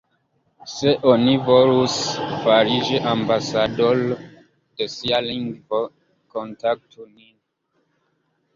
Se oni volus fariĝi ambasadoro de sia lingvo, kontaktu nin.